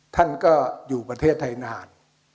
ท่านก็อยู่ประเทศไทยนาน